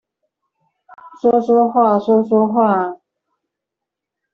說說話，說說話